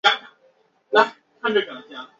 人肉搜索有时也造就了网路爆红现象。